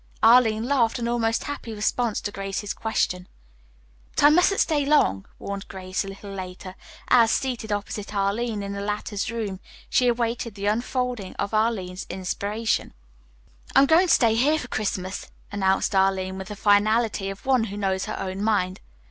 Arline laughed an almost happy response to Grace's question. "But I mustn't stay long," warned Grace a little later, as, seated opposite Arline in the latter's room, she awaited the unfolding of Arline's "inspiration." "I'm going to stay here for Christmas," announced Arline with the finality of one who knows her own mind.